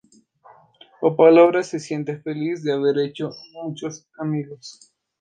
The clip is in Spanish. Opal ahora se siente feliz de haber hecho muchos amigos.